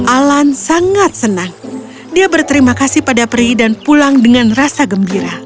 alan sangat senang dia berterima kasih pada peri dan pulang dengan rasa gembira